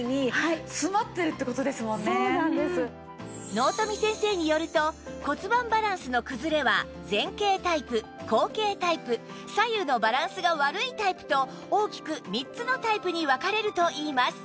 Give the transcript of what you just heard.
納富先生によると骨盤バランスの崩れは前傾タイプ後傾タイプ左右のバランスが悪いタイプと大きく３つのタイプに分かれるといいます